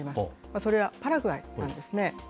それは、パラグアイなんですね。